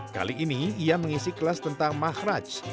kali ini ia mengisi kelas tentang mahraj